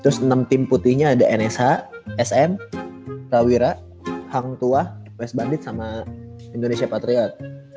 terus enam tim putihnya ada nsh sn prawira hang tua west bandit sama indonesia patriot